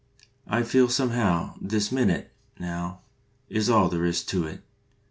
I feel somehow This minute, Now, Is all there is to it.